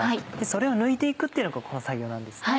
それを抜いて行くっていうのがこの作業なんですね。